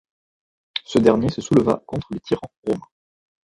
Ce dernier se souleva contre les tyrans romains.